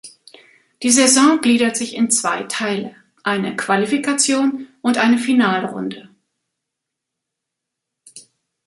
Die Saison gliedert sich in zwei Teile; eine Qualifikation und eine Finalrunde.